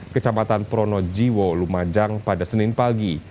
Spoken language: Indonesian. kecamatan pronojiwo lumajang pada senin pagi